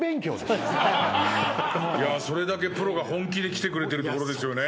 それだけプロが本気できてくれてるってことですよね。